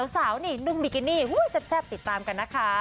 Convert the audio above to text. สาวนี่นุ่มบิกินี่แซ่บติดตามกันนะคะ